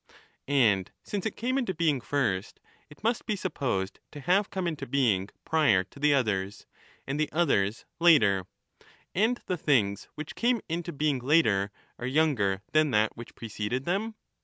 And since it came into being first it must be supposed to have come into being prior to the others, and the others later; and the things which came into being later, are younger than that which preceded them